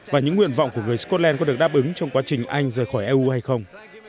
và những nguyện vọng của người scotlan có được đáp ứng trong quá trình anh rời khỏi eu hay không